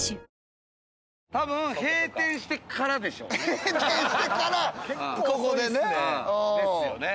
閉店してからここでね。ですよね。